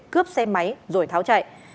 cướp xe máy rồi tháo chạy